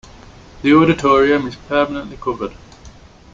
The auditorium is permanently covered.